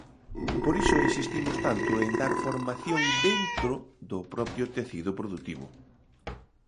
Por iso insistimos tanto en dar formación dentro do propio tecido produtivo.